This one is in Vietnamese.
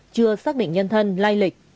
chưa xác minh nhân thân lai lịch